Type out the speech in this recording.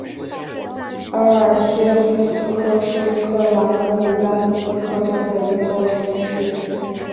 阿尔切夫斯克是乌克兰卢甘斯克州的一座城市。